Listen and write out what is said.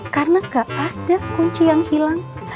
karena gak ada kunci yang hilang